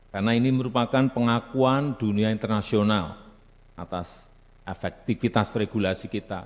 karena ini merupakan pengakuan dunia internasional atas efektivitas regulasi kita